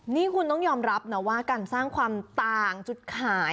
นี่คุณต้องยอมรับนะว่าการสร้างความต่างจุดขาย